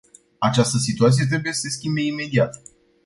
Această situație trebuie să se schimbe imediat.